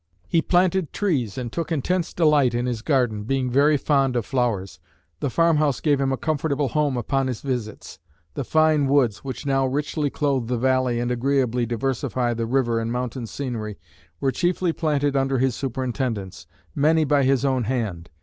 He planted trees and took intense delight in his garden, being very fond of flowers. The farmhouse gave him a comfortable home upon his visits. The fine woods which now richly clothe the valley and agreeably diversify the river and mountain scenery were chiefly planted under his superintendence, many by his own hand.